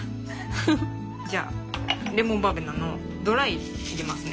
じゃあレモンバーベナのドライ入れますね。